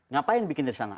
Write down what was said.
ngapain bikin dari sana